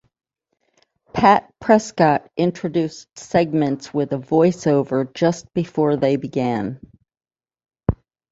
Pat Prescott introduced segments with a voiceover just before they began.